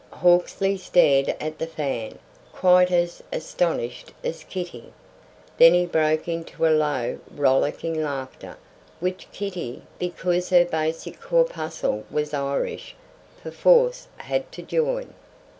Hawksley stared at the fan, quite as astonished as Kitty. Then he broke into low, rollicking laughter, which Kitty, because her basic corpuscle was Irish, perforce had to join.